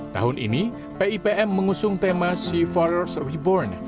tahun ini pipm mengusung tema sea forest reborn